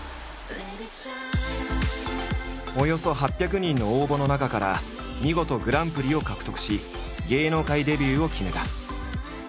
およそ８００人の応募の中から見事グランプリを獲得し芸能界デビューを決めた。